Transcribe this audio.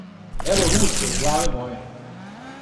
Ево русе главе моје!